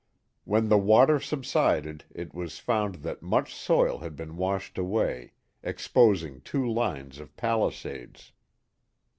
When the water subsided it was found that much soil had been washed away, exposing two lines of palisades.